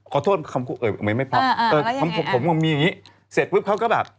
ขอโทษนะเออมันไม่พร้อม